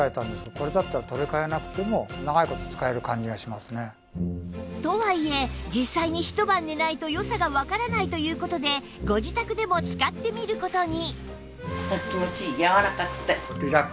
またとはいえ実際にひと晩寝ないと良さがわからないという事でご自宅でも使ってみる事に